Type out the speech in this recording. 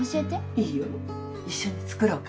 いいよ一緒に作ろうか？